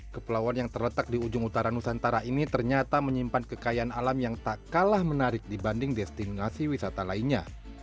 kepulauan yang terletak di ujung utara nusantara ini ternyata menyimpan kekayaan alam yang tak kalah menarik dibanding destinasi wisata lainnya